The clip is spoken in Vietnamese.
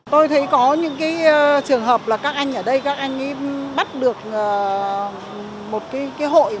tôi thấy có những trường hợp là các anh ở đây bắt được một hội